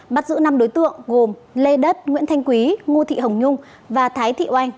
bắt giữ năm đối tượng gồm lê đất nguyễn thanh quý ngô thị hồng nhung và thái thị oanh